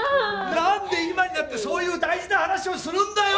なんで今になってそういう大事な話をするんだよ！